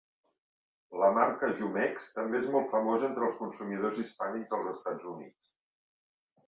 La marca Jumex també és molt famosa entre els consumidors hispànics als Estats Units.